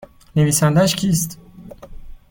نویسندهاش کیست؟